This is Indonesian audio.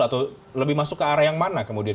atau lebih masuk ke arah yang mana kemudian